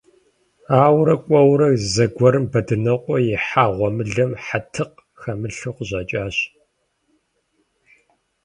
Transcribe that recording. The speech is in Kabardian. Ауэрэ кӀуэурэ, зэгуэрым Бэдынокъуэ ихьа гъуэмылэм хьэтыкъ хэмылъу къыщӀэкӀащ.